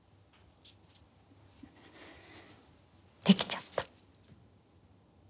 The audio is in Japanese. できちゃった。